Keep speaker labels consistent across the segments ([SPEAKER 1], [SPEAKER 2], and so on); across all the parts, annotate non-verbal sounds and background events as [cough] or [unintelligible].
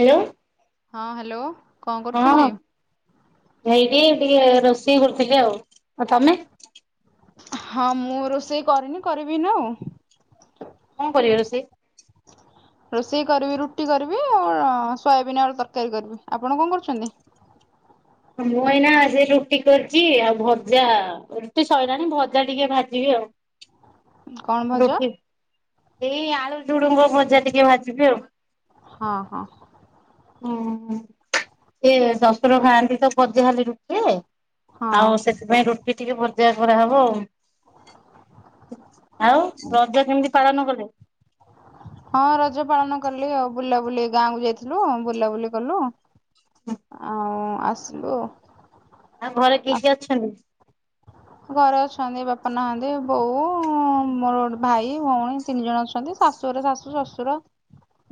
[SPEAKER 1] Hello.
[SPEAKER 2] ହଁ hello. କଣ
[SPEAKER 1] ହଁ
[SPEAKER 2] କରୁଛନ୍ତି?
[SPEAKER 1] ସେଇଠି ଟିକେ ରୋଷେଇ କରୁଥିଲି ଆଉ। ତମେ
[SPEAKER 2] ହଁ ମୁଁ ରୋଷେଇ କରିନି କରିବି ଏଇନେ ଆଉ।
[SPEAKER 1] କଣ କରିବ ରୋଷେଇ?
[SPEAKER 2] ରୋଷେଇ କରିବି ରୁଟି କରିବି ଆଉ ସୋୟାବିନ୍ ଆଳୁ ତରକାରୀ କରିବି। ଆପଣ କଣ କରୁଛନ୍ତି?
[SPEAKER 1] ମୁଁ ଏଇନା ସେ ରୁଟି କରିଛି ଆଉ ଭଜା ରୁଟି ସରଲାଣି ଭଜା ଟିକେ ଭାଜିବି
[SPEAKER 2] କଣ
[SPEAKER 1] ଆଉ।
[SPEAKER 2] ଭଜା
[SPEAKER 1] ରୁଟି ଏଇ ଆଳୁ ଝୁଡୁଙ୍ଗ ଭଜା ଟିକେ ଭାଜିବି ଆଉ।
[SPEAKER 2] ହଁ ହଁ।
[SPEAKER 1] ହୁଁ ହୁଁ ସେ ଶଶୁର ଖାଆନ୍ତି ତ [unintelligible]
[SPEAKER 2] ହଁ।
[SPEAKER 1] ଆଉ ସେଥିପାଇଁ ରୁଟି ଟିକେ ଭଜା କରାହବ ଆଉ। ଆଉ ରଜ କେମିତି ପାଳନ କଲେ?
[SPEAKER 2] ହଁ ରଜ ପାଳନ କଲି ଆଉ ବୁଲାବୁଲି ଗାଁ କୁ ଯାଇଥିଲୁ ବୁଲାବୁଲି କଲୁ। ଆଉ ଆସିଲୁ ଆଉ।
[SPEAKER 1] ଆଉ ଘରେ କିଏ କିଏ ଅଛନ୍ତି?
[SPEAKER 2] ଘରେ ଅଛନ୍ତି ବାପା ନାହାନ୍ତି ବୋଉ ମୋର ଗୋଟେ ଭାଇ ଭଉଣୀ। ତିନି ଜଣ ଅଛନ୍ତି ଶାଶୁହରେ ଶାଶୁ ଶ୍ୱଶୁର।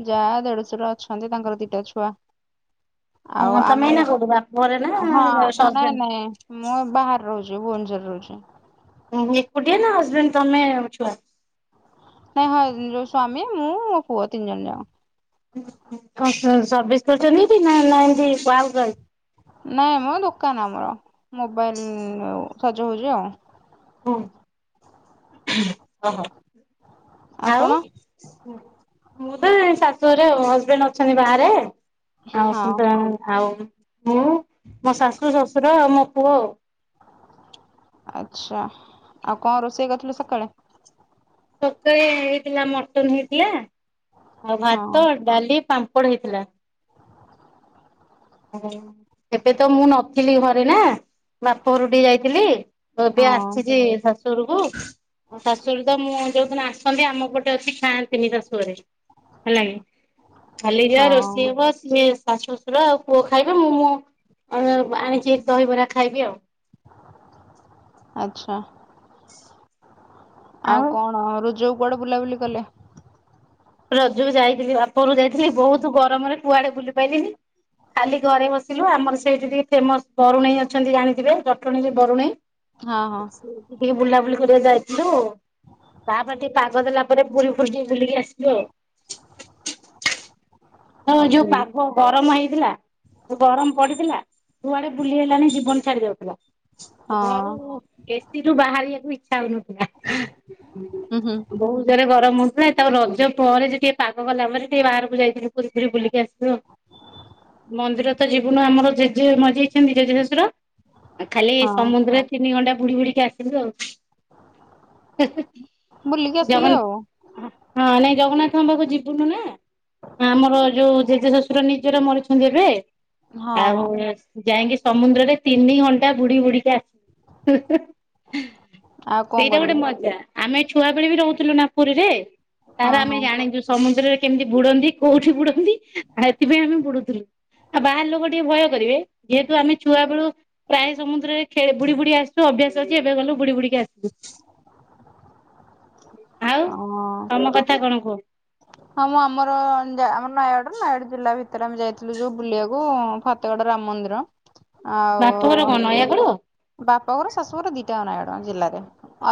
[SPEAKER 2] ଯାହା ଦେଢଶୁର ଅଛନ୍ତି ତାଙ୍କର ଦିଟା ଛୁଆ। ଆଉ
[SPEAKER 1] ହଁ ତମେ
[SPEAKER 2] ଆମେ
[SPEAKER 1] ଏଇନା କୋଉଠି ବାପ ଘରେ ନା
[SPEAKER 2] ହଁ ନାଇଁ
[SPEAKER 1] ହଜବେଣ୍ଡ?
[SPEAKER 2] ନାଇଁ। ମୁଁ ବାହାରେ ରହୁଚି ଭୁବନେଶ୍ୱରେ ରହୁଚି।
[SPEAKER 1] ତମେ ଏକୁଟିଏ ନା ହଜବେଣ୍ତ ତମେ ଛୁଆ?
[SPEAKER 2] ହଁ ହଁ ଯୋଉ ସ୍ଵାମୀ ମୁଁ ପୁଅ ତିନି ଜଣ ଯାକ।
[SPEAKER 1] କକଣ ସସର୍ଭିଶ କରିଚନ୍ତି କି ନା ନା ଏମିତି ପାର୍କ ଆସିଚି।
[SPEAKER 2] ନାଇଁ ମ ଦୋକାନ ଆମର। ମୋବାଇଲ ସଜ ହୋଉଚି ଆଉ।
[SPEAKER 1] ଓ କହ। ଆଉ
[SPEAKER 2] ଆପଣ
[SPEAKER 1] ମୁଁ ତ ଏ ଶାଶୁଘରେ ହଜବେଣ୍ଡ ଅଛନ୍ତି ବାହାରେ।
[SPEAKER 2] ହଁ
[SPEAKER 1] ବୋଉମୋ ଶାଶୁ ଶଶୁର ଆଉ ମୋ ପୁଅ।
[SPEAKER 2] ଆଚ୍ଛା ଆଉ କଣ ରୋଷେଇ କରିଥିଲ ସକାଳେ?
[SPEAKER 1] ତତେ ହେଇଥିଲା ମଟନ ହେଇଥିଲା। ଆଉ
[SPEAKER 2] ହଁ
[SPEAKER 1] ଭାତ ଡାଲି ପାମ୍ପଡ ହେଇଥିଲା। ହଁ ଏବେ ତ ମୁଁ ନଥିଲି ଘରେ ନା। ବାପ ଘରକୁ ଟିକିଏ ଯାଇଥିଲି ଏବେ
[SPEAKER 2] ହଁ
[SPEAKER 1] ଆସିଛି ଶାଶୁଘରକୁ। ମୋ ଶାଶୁଘରୁ ତ ମୁଁ ଯୋଉଦିନ ଆସନ୍ତି ଆମ ପଟେ ଅଛି ଖାଆନ୍ତିନି ଶାଶୁଘରେ। ହେଲାଗେ ଖାଲି ଯା
[SPEAKER 2] ହଁ
[SPEAKER 1] ରୋଷେଇ ହବ ସିଏ ଶାଶୁ ଶ୍ୱଶୁର ଆଉ ପୁଅ ଖାଇବେ ମୁଁ ମୁଁ ଆ ଆଣିଚି ଦହିବରା ଖାଇବି ଆଉ।
[SPEAKER 2] ଆଚ୍ଛା।
[SPEAKER 1] ହ [inaudible]
[SPEAKER 2] ଆଉ କଣ? ରୋଜକୁ କୁଆଡେ ବୁଲାବୁଲି କଲେ?
[SPEAKER 1] ରଜକୁ ଯାଇଥିଲି ବାପଘରକୁ ଯାଇଥିଲି। ବହୁତ୍ ଗରମରେ କୁଆଡେ ବୁଲି ପାଇଲିିନି। ଖାଲି ଘରେ ବସିଲୁ। ଆମର ସେଇଠି ଟିକିଏ ଫେମସ ବରୁଣେଇ ଅଛନ୍ତି ଜାଣିଥିବେ। ଜଟଣୀରେ ବରୁଣେଇ।
[SPEAKER 2] ହଁ ହଁ
[SPEAKER 1] ଅଛି। ଟିକିଏ ବୁଲାବୁଲି କରିବା ଯାଇଥିଲୁ। ତାପରେ ଟିକିଏ ପାଗ ଦେଲା ପରେ ପୁରୀ ଫୁରୀ ଟିକିଏ ବୁଲିକି ଆସି ଯୋ। ହଁ
[SPEAKER 2] ଆଉ
[SPEAKER 1] ଯୋଉ
[SPEAKER 2] ବୁଲି
[SPEAKER 1] ପାଗ ଗରମ ହେଇଥିଲା ଯୋଉ ଗରମ ପଡିଥିଲା। କୁଆଡେ ବୁଲି ହେଲାନି ଜୀବନ ଛାଡି ଯାଉଥିଲା। ଆଉ ଘରୁ
[SPEAKER 2] ହଁ।
[SPEAKER 1] ଏସିରୁୁ ବାହାରିବାକୁ ଇଚ୍ଛା ହୋଉନଥିଲା। ଉଁ ହୁଁ ବହୁତ୍। ଏତେ ଜୋରେ ଗରମ ହୋଉଥିଲା ତାକୁ ରଜ ପରେ ଟିକିଏ ପାଗ ଗଲା ପରେ ଟିକିଏ ବାହାରକୁ ଯାଇଥିଲୁ। ପୁରୀ ଫୁରି ବୁଲିକି ଆସିଲୁ। ମନ୍ଦିର ତ ଯିବୁନୁ ଆମର ଜେଜେ ମରିଯାଇଚନ୍ତି ଜେଜେେଶଶୁର। ଉ ଖାଲି
[SPEAKER 2] ହଁ
[SPEAKER 1] ସମୁଦ୍ରରେ ତିନି ଘଣ୍ଟା ବୁଡି ବୁଡିକା ଆସିଲୁ ଆଉ।
[SPEAKER 2] ବୁଲିକି ଆସିଲେ ଆଉ
[SPEAKER 1] ଜଗନ୍ନା ହଁ ନାଇଁ ଜଗନ୍ନାଥଙ୍କ ପାଖକୁ ଯିବୁନୁ ନା। ଆମର ଯୋଉ ଜେଜେ ଶଶୁର ନିଜର ମରିଛନ୍ତି ଏବେ।
[SPEAKER 2] ହଁ
[SPEAKER 1] ଆଉ
[SPEAKER 2] ହଁ
[SPEAKER 1] ଯାଇକି ସମୁଦ୍ରରେ ତିନି ଘଣ୍ଟା ବୁଡି ବୁଡିକା
[SPEAKER 2] ଆଉ କଣ
[SPEAKER 1] ସେଇଟା ଗୋଟେ
[SPEAKER 2] କରିବେ
[SPEAKER 1] ମଜା। ଆମେ ଛୁଆବେେଳେ ବି ରହୁଥିଲୁ ନାପୁରୀରେ
[SPEAKER 2] ହଁ
[SPEAKER 1] ତାରେ ଆମେ
[SPEAKER 2] ହଁ
[SPEAKER 1] ଜାଣିଛୁ ସମୁଦ୍ରରେ କେମିତି ବୁଡନ୍ତି। କୋଉଠି ବୁଡନ୍ତି? ଆଉ ଏଥିପାଇଁ ଆମେ ବୁଡୁଥିଲୁ। ଆଉ ବାହାର ଲୋକ ଟିକିଏ ଭୟ କରିବେ ଯେହେତୁ ଆମେ ଛୁଆ ବେଳୁ ପ୍ରାୟ ସମୁଦ୍ରରେଖେଳି ବୁଡି ବୁଡି ଆସିବୁ। ଅଭ୍ୟାସ ଅଛି ଏବେ ଗଲୁ ବୁଡି ବୁଡିକି ଆସିବୁ।
[SPEAKER 2] [inaudible]
[SPEAKER 1] ଆଉ
[SPEAKER 2] ହଁ।
[SPEAKER 1] ତମ କଥା କଣ କୁହ?
[SPEAKER 2] ହଁ ମୁଁ ଆମର ଆମ ନୟାଗଡ ନୟାଗଡ ଜିଲ୍ଲା ଭିତରେ ଆମେ ଯାଇଥିଲୁ ଯୋଉ ବୁଲିବାକୁ ଫାକ ତେଡ୍ ରାମ ମନ୍ଦିର ଆଉ
[SPEAKER 1] ନୟାଗଡ?
[SPEAKER 2] ବାପ ଘର ଶାଶୁ ଘର ଦିଟା ଆକ ନୟାଗଡ଼ ଜିଲ୍ଲାରେ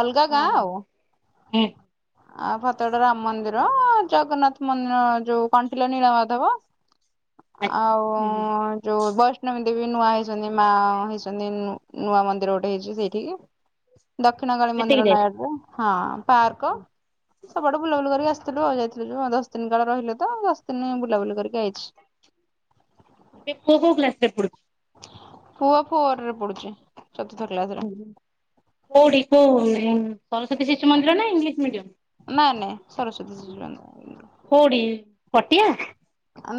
[SPEAKER 2] ଅଲଗା ଗାଁ ଆଉ।
[SPEAKER 1] ହୁଁ
[SPEAKER 2] ଆ ଫତଗଡ ରାମ ମନ୍ଦିର ଜଗନ୍ନାଥ ମନ୍ଦିର ଯୋଉ କଣ୍ଟିଲ ନୀଳ ମାଧବ
[SPEAKER 1] ଆଚ୍ଛା
[SPEAKER 2] ଆଉ ଯୋଉ ବୈଷ୍ଣବୀ ଦେବୀ ନୂଆ ହେଇଛନ୍ତି ମା ହେଇଛନ୍ତି ନୁ ନୂଆ ମନ୍ଦିର ଗୋଟେ ହେଇଛି ସେଇଠିକି ଦକ୍ଷିଣ କାଳୀ
[SPEAKER 1] ସେତିକି
[SPEAKER 2] ମନ୍ଦିର
[SPEAKER 1] ଯାଏ
[SPEAKER 2] ନାୟଗଡରେ ହଁ। ପାର୍କ। ସବୁଆୁଡୁ ବୁଲାବୁଲି କରିକ ଆସିଥିଲୁ ଆ ଯାଇଥିଲୁ ଦଶ ଦିନ କାଳେ ରହିଲେ ତ ଦଶ ଦିନ ବୁଲାବୁଲି କରିକି ଆଇଛି।
[SPEAKER 1] ଏବେ ପୁଅ କୋଉ କ୍ଲାସ ରେ ପଡୁଛି।
[SPEAKER 2] ଫୁଅ ଫୋର୍ ରେ ପଡୁଛି ଚତୁଥ କ୍ଲାସ୍ ରେ।
[SPEAKER 1] କୋଉଠି କୋଉ ସରସ୍ଵତୀ ଶିଶୁ ମନ୍ଦିର ନା ଇଂଲିଶ ମିଡିଅମ୍?
[SPEAKER 2] ନାଇଁ ନାଇଁ ସରସ୍ଵତୀ ଶିଶୁ ମନ୍ଦିର।
[SPEAKER 1] କୋଉଡି ପଟିଆ?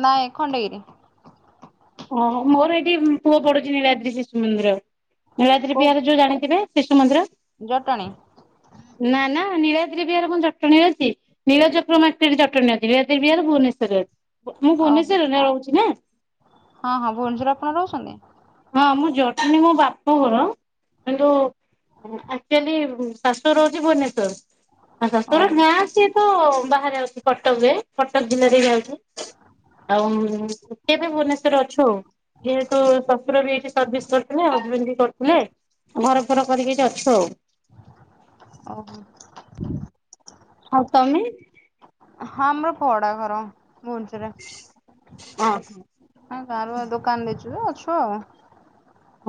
[SPEAKER 2] ନାଇ ଖଣ୍ଡଗିରି।
[SPEAKER 1] ଓହୋ ମୋର ଏଇଠି ପୁଅ ପଡୁଛି ନୀଳାଦ୍ରି ଶିଶୁ ମନ୍ଦିର ନୀଳାଦ୍ରି
[SPEAKER 2] କୋଉ
[SPEAKER 1] ବିହାରେ ଯୋଉ ଜାଣିଥିବେ। ଶିଶୁ ମନ୍ଦିର।
[SPEAKER 2] ଜଟଣୀ।
[SPEAKER 1] ନା ନା ନୀଳଦ୍ରୀ ବିହାର କଣ ଜଟଣୀ ଅଛି। ନୀଳ ଚକ୍ର ଜଟଣୀ ଅଛି ବିହାର ଭୁବନେଶରରେ ମୁଁ
[SPEAKER 2] ଓହୋ
[SPEAKER 1] ଭୁବନେଶରରେ ରହୁଛି ନା।
[SPEAKER 2] ହଁ ହଁ ଭୁବନେଶ୍ୱର ଆପଣ ରହୁଛନ୍ତି।
[SPEAKER 1] ହଁ ମୁଁ ଜଟଣୀ ମୋ ବାପା ଘର କିନ୍ତୁ ଆଚୁଆଲି ଶାଶୁ ଘର ହଉଛି ଭୁବନେଶ୍ୱର
[SPEAKER 2] ଓହୋ
[SPEAKER 1] ଶଶୁର ଗାଁ ସେ ତ ବାହାରେ ଯାଉଛି କଟକ ରେ କଟକ ଜିଲ୍ଲାରେ ଯାଉଛି। ଆଉ କେବେ ଭୁବନେଶ୍ଵର ଅଛୁ ଆଉ ଯେହେତୁ। ର ଏଇଠି ସର୍ଭିସ୍ କରିଥିଲେ ହଜବେଣ୍ଡ ବି କରିଥିଲେ ଘର ଫର କରିକି ଏଠି ଅଛି ଆଉ।
[SPEAKER 2] ଓହୋ।
[SPEAKER 1] ଆଉ ତମେ?
[SPEAKER 2] ହଁ ଆମର ଭଡା ଘର ଭୁବନେଶ୍ୱର ରେ।
[SPEAKER 1] ଓହୋ
[SPEAKER 2] ହ ଗାଁରୁଆ ଦୋକାନ ଦେଇଛୁ ତ ଅଛୁ ଆଉ।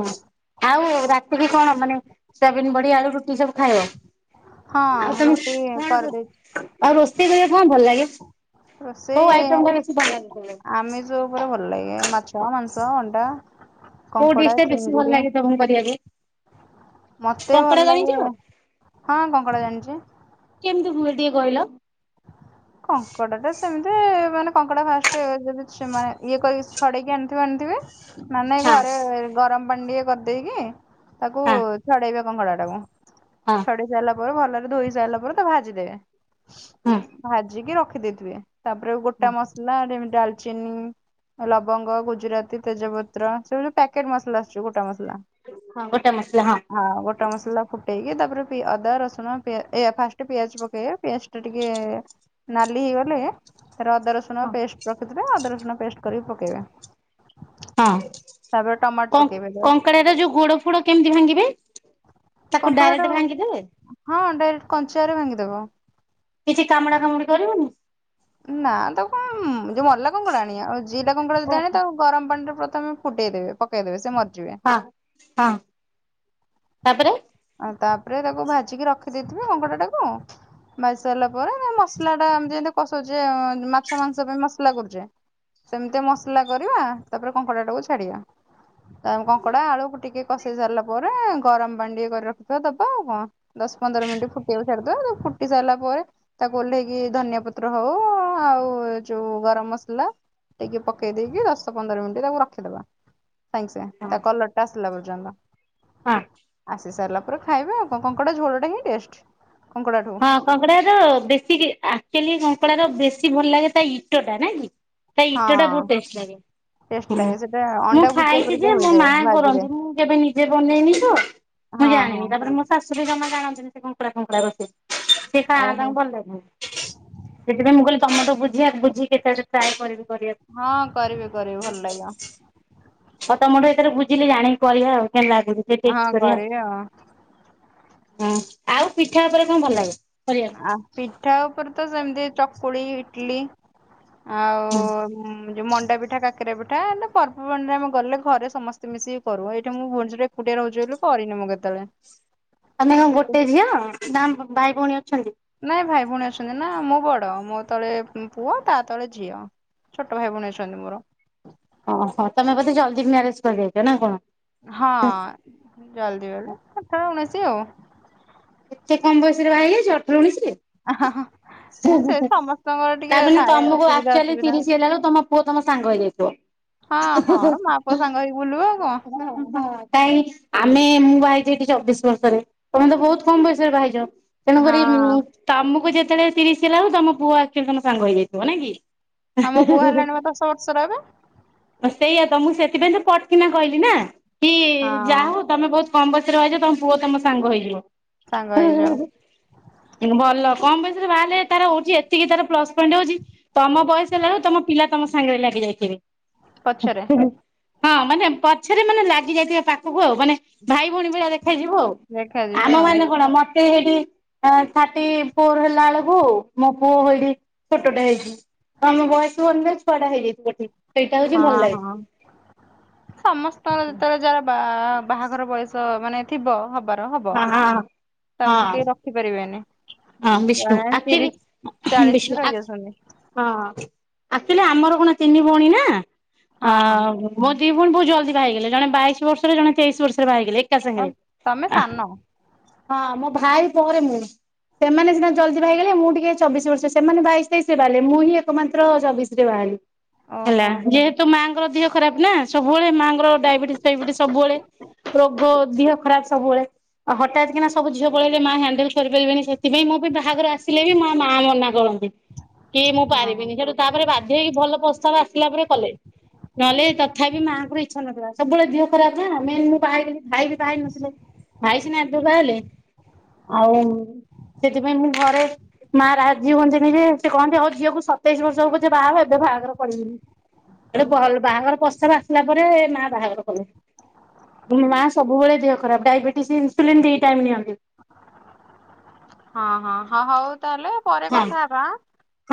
[SPEAKER 1] ହଁ ଆଉ ରାତିରେ କଣ ମାନେ ସୋଆବିନ ବଡି ଆଳୁ ରୁଟି ସବୁ ଖାଇବ। ଆଉ
[SPEAKER 2] ହଁ
[SPEAKER 1] ତମ
[SPEAKER 2] ରୁଟି
[SPEAKER 1] କଣ
[SPEAKER 2] କରିଦେଇଛି
[SPEAKER 1] ଆଉ ରୋଷେଇ କରିବା କଣ ଭଲ ଲାଗେ? କୋଉ ଆଇଟମ୍ ଟା ବେଶୀ ଭଲ ଲାଗେ କରିବାକୁ।
[SPEAKER 2] ଯୋ ଉପରେ ଭଲ ଲାଗେ ମାଛ ମାଂସ ଅଣ୍ଡା।
[SPEAKER 1] କୋଉ
[SPEAKER 2] କଙ୍କଡା
[SPEAKER 1] ଡିସ୍ ଟା ବେଶୀ ଭଲ
[SPEAKER 2] ଚିଙ୍ଗୁଡି
[SPEAKER 1] ଲାଗେ ତମକୁ କରିବାକୁ।
[SPEAKER 2] ମତେ
[SPEAKER 1] କଙ୍କଡା
[SPEAKER 2] ଭଲ
[SPEAKER 1] ଜାଣିଛ?
[SPEAKER 2] ଲାଗେ ହଁ କଙ୍କଡ଼ା ଜାଣିଛି।
[SPEAKER 1] କେମିତି ହୁଏ ଟିକେ କହିଲ?
[SPEAKER 2] କଙ୍କଡା ଟା ସେମିତି ମାନେ କଙ୍କଡା ଫାଷ୍ଟ ଯଦି ସେମାନେ ଇଏ କରି ଛଡେଇକି ଆଣିଥିବେ ଆଣିଥିବେ ନ ନାଇଁ
[SPEAKER 1] ହଁ
[SPEAKER 2] ଘରେ ଗରମ ପାଣି ଟିକେ କରିଦେଇକି ତାକୁ
[SPEAKER 1] ହଁ
[SPEAKER 2] ଛଡେଇବେ କଙ୍କଡ଼ାଟାକୁ
[SPEAKER 1] ହଁ
[SPEAKER 2] ଛଡେଇ ସାରିଲା ପରେ ଭଲରେ ଧୋଇ ସାରିଲା ପରେ ତା ଭାଜିଦେବେ।
[SPEAKER 1] ହଁ।
[SPEAKER 2] ଭାଜିକି ରଖିଦେଇଥିବେ ତାପରେ ଗୋଟା ମସଲା ଯେମିତି ଡାଲଚିନି ଲବଙ୍ଗ ଗୁଜୁରାତି ତେଜପତ୍ର ସବୁ ଯୋଉ ପ୍ୟାକେଟ ମସଲା ଆସୁଛି ଗୋଟା ମସଲା।
[SPEAKER 1] ହଁ ଗୋଟେ ମସଲା ହଁ।
[SPEAKER 2] ହଁ ଗୋଟେ ମସଲା ଫୁଟେଇକି ତାପରେ ଅଦା ରସୁଣ ଫାଷ୍ଟ ପିଆଜ ପକେଇବା ପିଆଜ ଟିକେ ନାଲି ହେଇଗଲେ ଅଦା ରସୁଣ ପେଷ୍ଟ ରଖିଥିବ ଅଦା ରସୁଣ ପେଷ୍ଟ କରି ପକେଇବା।
[SPEAKER 1] ହଁ
[SPEAKER 2] ଟମାଟୋ
[SPEAKER 1] କଙ୍କ
[SPEAKER 2] ପକେଇବେ ତ
[SPEAKER 1] କଙ୍କଡ଼ାର ଯୋଉ ଗୋଡ ଫୋଡ କେମିତି ଭାଙ୍ଗିବେ? ତାକୁ
[SPEAKER 2] କଙ୍କଡା ଟା
[SPEAKER 1] ଡାଇରେକ୍ଟ ଭାଙ୍ଗିଦେବେ?
[SPEAKER 2] ହଁ ଡାଇରେକ୍ଟ କଞ୍ଚାରେ ଭାଙ୍ଗିଦବ।
[SPEAKER 1] କିଛି କାମୁଡା କାମୁଡି କରିବନି?
[SPEAKER 2] ନା ତାକୁ କଣ ଯୋଉ ମଲା କଙ୍କଡ଼ା ଆଣିବା ଆଉ ଜିଲଲା କଙ୍କଡ଼ା ଯଦି ଆଣି
[SPEAKER 1] ଓହୋ
[SPEAKER 2] ତାକୁ ଗରମ ପାଣିରେ ପ୍ରଥମେ ଫୁଟେଇଦେବେ ପ୍ ପକେଇଦବେ ସେ ମରିଯିବେ।
[SPEAKER 1] ହଁ ହଁ ତାପରେ
[SPEAKER 2] ଆଉ ତାପରେ ତାକୁ ଭାଜିକି ରଖିଦେଇଥିବେ କଙ୍କଡ଼ା ଟାକୁ। ଭାଜି ସାରିଲା ପରେ ମସଲାଟା ଯେମିତି କସାଉଛେ ଏ ମାଛ ମାଂସ ପାଇଁ ଯେମିତି ମସଲା କରୁଛେ ସେମିତି ମସଲା କରିବା ତାପରେ କଙ୍କଡ଼ା ଟାକୁ ଛାଡିବା। ତା ପରେ କଙ୍କଡା ଆଳୁ ଟିକେ କଷେଇ ସାରିଲା ପରେ ଏ ଗରମ ପାଣି ଟିକିଏ କରି ରଖିଥିବା ଦବା ଆଉ କଣ। ଦଶ ପନ୍ଦର ମିନିଟ୍ ଫୁଟିବାକୁ ଛାଡିଦବା ଫୁଟି ସାରିଲା ପରେ ତାକୁ ଓହ୍ଲେଇକି ଧନଆ ପ ପତ୍ର ହଉ ଆଉ ଏ ଯୋଉ ଗରମ ମସଲା ଟିକେ ପକେଇ ଦେଇକି ଦଶ ପନ୍ଦର ମିନିଟ ତାକୁ ରଖିଦବା ସାଙ୍ଗେ ସାଙ୍ଗେ ସେ ତା କଲରଟା ଟି ଟାସିଲା ପର୍ଯ୍ୟନ୍ତ।
[SPEAKER 1] ହା।
[SPEAKER 2] ଆସି ସାରିଲା ପରେ ଖାଇବେ ଆଉ କଙ୍କଡା ଝୋଳଟା ହିଁ ଟେଷ୍ଟ କଙ୍କଡା ଠୁ।
[SPEAKER 1] ହଁ କଙ୍କଡା ର ବେଶୀ ଆକ୍ଚୁଲି କଙ୍କଡାର ବେଶୀ ଭଲ ଲାଗେ ତା ଇଟଟା ନାକି? ତା
[SPEAKER 2] ହଁ
[SPEAKER 1] ଇଟଟା ବହୁତ ଟେଷ୍ଟ
[SPEAKER 2] ଟେଷ୍ଟ
[SPEAKER 1] ଲାଗେ।
[SPEAKER 2] ଲାଗେ ସେଟା
[SPEAKER 1] ମୁଁ
[SPEAKER 2] ଅଣ୍ଡା ଭୁଜିଆ
[SPEAKER 1] ଖାଇଛି
[SPEAKER 2] ପରିକା
[SPEAKER 1] ଯେ ମୋ
[SPEAKER 2] ହୋଇଯାଏ
[SPEAKER 1] ମା
[SPEAKER 2] ଭାଜିଲେ।
[SPEAKER 1] କରନ୍ତି ମୁଁ କେବେ ନିଜେ ବନେଇନି ତ।
[SPEAKER 2] ହଁ
[SPEAKER 1] ମୁଁ
[SPEAKER 2] ହଁ
[SPEAKER 1] ଜାଣିନି ତାପରେ ମୋ ଶାଶୁୁର ବି ଜମା ଜାଣନ୍ତିି ସେ କୁଙ୍କୁଡ଼ା କୁଙ୍କୁଡା ରୋଷେଇ। ସେ ଖା
[SPEAKER 2] ଓହୋ
[SPEAKER 1] ତାଙ୍କୁ ଭଲ ଲାଗେନି ସେଥିପାଇଁ ମୁଁ କହିଲି ତମଠୁ ବୁଝିବା ବୁଝିକି କେତେବେଳେ ଟ୍ରାଏ କରିବି
[SPEAKER 2] ହଁ କରିବେ କରିବେ
[SPEAKER 1] କରିବାକୁ।
[SPEAKER 2] ଭଲ ଲାଗିବ।
[SPEAKER 1] ହଉ ତମଠୁ ଏଥର ବୁଝିଲି ଜାଣିକି କରିବା ଆଉ କେମତି ଲାଗୁଛି ଟିକିଏ
[SPEAKER 2] ହଁ
[SPEAKER 1] ଟେଷ୍ଟ କରିବା ଆଉ।
[SPEAKER 2] କରିବି
[SPEAKER 1] ହଁ ଆଉ ପିଠା ଉପରେ କଣ ଭଲ ଲାଗେ କରିବାକୁ?
[SPEAKER 2] ଆ ପିଠା ଉପରେ ତ ସେମିତି ଚକୁଳି ଇଟଲି
[SPEAKER 1] ହୁଁ।
[SPEAKER 2] ଆଉ ଯୋଉ ମଣ୍ଡା ପିଠା କାକରା ପିଠା। ପର୍ବବାଣିରେ ଆମେ ଗଲେ ଘରେ ସମସ୍ତେ ମିଶିକି କରୁ ଏଇଠି ମୁଁ ଭୋଶ୍ଵର୍ ରେ ଏକୁଟିଆ ରହୁଛି ବୋଲି କରିନି ମୁଁ କେତବେଳେ?
[SPEAKER 1] ମାନେ କଣ ଗୋଟେ ଝିଅ ନା ଭାଇ ଭଉଣୀ ଅଛନ୍ତି?
[SPEAKER 2] ନାଇଁ ଭାଇ ଭଉଣୀ ଅଛନ୍ତି ନା ମୁଁ ବଡ ମୋ ତଳେ ପୁଅ ତା ତଳେ ଝିଅ। ଛୋଟ ଭାଇ ଭଉଣୀ ଅଛନ୍ତି ମୋର।
[SPEAKER 1] ଓହୋ ତମେ ବୋଧେ ଜଲ୍ଦି ମ୍ୟାରେଜ କରିଯାଇଛ ନା କଣ?
[SPEAKER 2] ହଁ ଜଲଦି ବୋଲେ ସତର ଉନିଶି ଆଉ।
[SPEAKER 1] ଏତେ କମ ବୟସ ରେ ବାହା ହେଇ ଯାଇଛ ଅଠର ଉଣଶ ରେ?
[SPEAKER 2] ହା ହା ହଁ।
[SPEAKER 1] ତା ମାନେ ତମକୁ
[SPEAKER 2] ଅସୁବିଧା
[SPEAKER 1] ଆକ୍ଚୁଆଲି
[SPEAKER 2] ଅସୁବିଧା
[SPEAKER 1] ତିରିଶ ହେଲା ବେଳକୁ ତମ ପୁଅ ତମ ସାଙ୍ଗ ହେଇଯାଇଥିବ। ହଁ
[SPEAKER 2] ମା ପୁଅ ସାଙ୍ଗ ହେଇକି ବୁଲିବୁ ଆଉ କଣ
[SPEAKER 1] ହଁ। କାଇ ଆମେ ମୁଁ ବାହା ହେଇଛି ଏଠି ଚବିଶ ବର୍ଷରେ ତମେ ତ ବହୁତ କମ ବୟସରେ ବାହା ହେଇଛ? ତେଣୁକରି ଉଁ
[SPEAKER 2] ହଁ
[SPEAKER 1] ତମକୁ ଯେତେବେଳେ ତିରିଶି ହେଲା ଆଳକୁ ତମ ପୁଅ ଆଚୁଆଲି ତମ ସାଙ୍ଗ ହେଇଯାଇଥିବ ନାକି? ଆ
[SPEAKER 2] ଆମ
[SPEAKER 1] ହା
[SPEAKER 2] ପୁଅ
[SPEAKER 1] ହା ହା।
[SPEAKER 2] ହେଲାଣି ବା ଦଶ ବର୍ଷର ଏବେ
[SPEAKER 1] ସେଇଆ ତ ମୁଁ ସେଥିପାଇଁ ତ ଫଟକିନା କହିଲି ନା, କି
[SPEAKER 2] ହଁ
[SPEAKER 1] ଯାହା ହଉ ତମେ ବହୁତ କକମ୍ ବୟସରେ ବାହା ହେଇଛ ତମ ପୁଅ ତମ ସାଙ୍ଗ ହେଇଯିବ?
[SPEAKER 2] ସାଙ୍ଗ ହେଇଯିବ।
[SPEAKER 1] ଭଲ କମ ବୟସ ରେ ବାହାହେଲେ ତାର ହଉଛି ଏତିକି ତାର ପ୍ଲସ ପଏଣ୍ଟ ହଉଛି ତମ ବୟସ ହେଲାରୁ ତମ ପିଲା ତମ ସାଙ୍ଗରେ ଲାଗି ଯାଇଥିବେ।
[SPEAKER 2] ପଛରେ।
[SPEAKER 1] ହଁ ମାନେ ପଛରେ ମାନେ ଲାଗି ଯାଇଥିବେ ପାଖୁକୁ ଆଉ ମାନେ ଭାଇ ଭଉଣୀ ଭଳିଆ ଦେଖ ଯିବୁ ଆଉ
[SPEAKER 2] ଦେଖାଯିବେ
[SPEAKER 1] ଆମ
[SPEAKER 2] ଆଉ
[SPEAKER 1] ମାନେ କଣ ମତେ ହେଠି ଥାଟି ଫୋର ହେଲା ବେଳକୁ ମୋ ପୁଅ ହେଇଡି ଛୋଟଟେ ହେଇଛି। କମ ବୟସ [unintelligible] ଛୁଆଡା ହେଇଯାଇ ଗୋଟେ।
[SPEAKER 2] ହଁ ହଁ। ସମସ୍ତଙ୍କର ଯେତେବେଳେ ଯାର ବା ବାହାଘର ବୟସ ମାନେ ଥିବ ହବାର ହବ
[SPEAKER 1] ହଁ
[SPEAKER 2] ତାକୁ
[SPEAKER 1] ହଁ
[SPEAKER 2] କେହି ରଖିପାରିବେନି।
[SPEAKER 1] ହଁ ବିଷ୍ଣୁ
[SPEAKER 2] ଜଣେ
[SPEAKER 1] ଆଖି ବି
[SPEAKER 2] ତିରିଶ ଚାଳିଶ ବି
[SPEAKER 1] ବିଷ୍ଣୁ ଆ
[SPEAKER 2] ରହିଯାଉଛନ୍ତି
[SPEAKER 1] ହଁ ଆକଚୁଆଲି ଆମର କଣ ତିନି ଭଉଣୀ ନା
[SPEAKER 2] ହଁ
[SPEAKER 1] ଆ
[SPEAKER 2] ହଁ
[SPEAKER 1] ମୋ ଦି ଭଉଣି ବହୁତ ଜଲଦି ବାହାହେଇଗଲେ ଜଣେ ବାଇସି ବର୍ଷରେ ଜଣେ ତେଇସି ବର୍ଷରେ ବାହା ହେଇଗଲେ ଏକା
[SPEAKER 2] ଆଉ
[SPEAKER 1] ସାଙ୍ଗେରେ
[SPEAKER 2] ତମେ
[SPEAKER 1] ଆଃ
[SPEAKER 2] ସାନ
[SPEAKER 1] ହଁ ମୋ ଭାଇ ପରେ ମୁଁ। ସେମାନେ ସିନା ଜଲ୍ଦି ବାହା ହେଇଗଲେ ମୁଁ ଟିକେ ଚବିଶ ବର୍ଷ ସେମାନେ ବାଇଶି ତେଇଶି ରେ ବାହାରିଲେ ମୁଁ ହିଁ ଏକମାତ୍ର ଚବିଶ ରେ ବାହାହେଲି। ହେଲା
[SPEAKER 2] ଓହୋ
[SPEAKER 1] ଯେହେତୁ ମାଆଙ୍କର ଦିହ ଖରାପ ନା ସବୁବେଳେ ମାଆଙ୍କର ଡାଇବେଟିସ ଫାଇବେଟିସ ସବୁବେଳେ। ରୋଗ ଦେହ ଖରାପ ସବୁବେଳେ, ଆଉ ହଠାତ୍ କିନା ସବୁ ଝିଅ ପଳେଇଲେ ମା ହ୍ୟାଣ୍ଡେଲ କରିପାରିବେନି। ସେଥିପାଇଁ ମୋ ପାଇଁ ବାହାଘର ଆସିଲେ ବି ମୋ ମା ମନା କରନ୍ତି, କି ମୁଁ
[SPEAKER 2] ହଁ
[SPEAKER 1] ପାରିବିନି ସେଠୁ ତାପରେ ବାଧ୍ୟ ହେଇକି ଭଲ ପ୍ରସ୍ତାବ ଆସିଲା ପରେ କଲେ। ନହେଲେ ତଥାପି ମାଆଙ୍କର ଇଚ୍ଛା ନଥିଲା, ସବୁବେଳେ ଦିହ ଖରାପ ନା ମେନ୍ ମୁଁ ବାହା ହେଇଗଲି ଭାଇ ବି ବାହା ହେଇନଥିଲେ। ଭାଇସିନା ଏବେ ବାହା ହେଲେ ଆଉ ସେଥିପାଇଁ ମୁଁ ଘରେ ମା ରାଜି ହୁଅନ୍ତିନି ଯେ ସେ କହନ୍ତି ଆଉ ଝିଅକୁ ସତେଇଶ ବର୍ଷ ହଉ ପଛେ ବାହା ହ ଏବେ ବାହାଘର କରିବିନି। [unintelligible] ଭଲ ବାହାଘର ପ୍ରସ୍ତାବ ଆସିଲା ପରେ ମା ବାହାଘର କଲେ। ମାଆ ସବୁବେଳେ ଦେହ ଖରାପ ଡାଇବେଟିସ୍ ଇନ୍ସୁଲିନ ଦି ଟାଇମ୍ ନିଅନ୍ତି।
[SPEAKER 2] ହଁ ହଁ ହଁ ହଉ ତାହେଲେ ପରେ
[SPEAKER 1] ହଁ
[SPEAKER 2] କଥା ହେବା ଆଁ।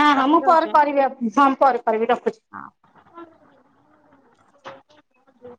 [SPEAKER 1] ହଁ ହଁ ମୁଁ ପରେ
[SPEAKER 2] ରଖିଦଉଛି
[SPEAKER 1] କରିବି ହଁ ମୁଁ ପରେ କରିବି ରଖୁଛି।
[SPEAKER 2] ହଁ। ହୁଁ।